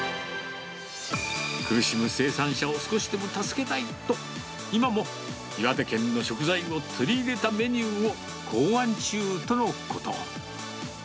苦しむ生産者を少しでも助けたいと、今も岩手県の食材を取り入れたメニューを考案中とのこと。